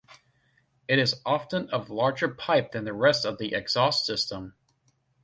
It is often of larger pipe than the rest of the exhaust system.